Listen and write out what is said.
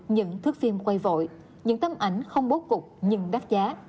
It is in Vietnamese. những thước phim quay vội những tâm ảnh không bố cục nhưng đắt giá